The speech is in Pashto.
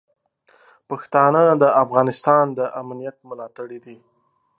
پښتانه د افغانستان د امنیت ملاتړي دي.